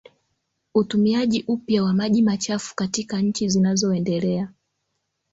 Utumiajia upya wa maji machafukatika nchi zinazoendelea